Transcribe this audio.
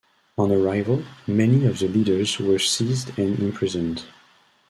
On arrival, many of the leaders were seized and imprisoned.